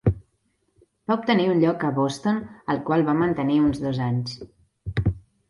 Va obtenir un lloc a Boston, el qual va mantenir uns dos anys.